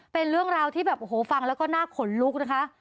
เป็นเรื่องราวที่แบบโอ้โหฟังแล้วก็น่าขนลุกนะคะ